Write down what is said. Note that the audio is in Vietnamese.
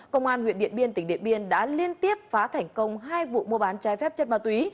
công an huyện điện biên tỉnh điện biên đã liên tiếp phá thành công hai vụ mua bán trái phép chất ma túy